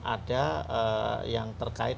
ada yang terkait